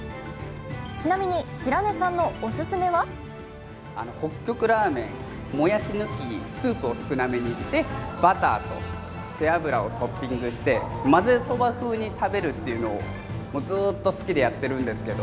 ちなみに白根さんのオススメは北極ラーメン、もやし抜き、スープを少なめにしてバターと背脂をトッピングしてまぜそば風に食べるというのをずーっと好きでやってるんですけど。